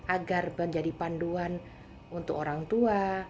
agar menjadi panduan untuk orang tua